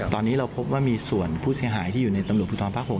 ตอนนี้เราพบว่ามีส่วนผู้เสียหายที่อยู่ในตำรวจภูทรภาค๖